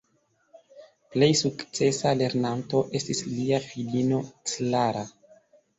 Plej sukcesa lernanto estis lia filino Clara.